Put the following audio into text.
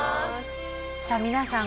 さあ皆さん